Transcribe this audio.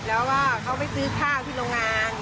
แล้วว่าเขาไปซื้อข้าวที่โรงงาน